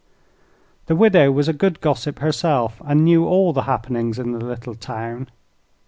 The widow was a good gossip herself, and knew all the happenings in the little town.